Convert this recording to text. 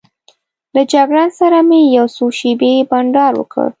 له جګړن سره مې یو څو شېبې بانډار وکړ.